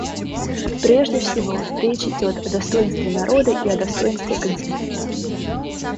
Прежде всего, речь идет о достоинстве народа и достоинстве континента.